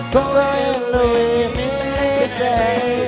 kau yang lebih mencintai